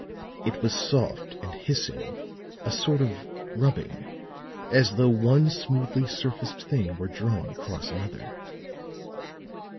It was soft and hissing, a sort of rubbing, as though one smoothly surfaced thing were drawn across another.